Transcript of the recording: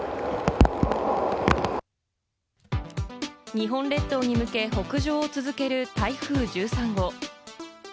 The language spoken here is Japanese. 日本列島に向け、北上を続ける台風１３号。